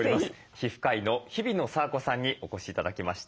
皮膚科医の日比野佐和子さんにお越し頂きました。